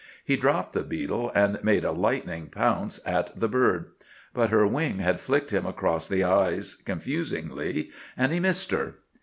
He dropped the beetle and made a lightning pounce at the bird. But her wing had flicked him across the eyes, confusingly, and he missed her.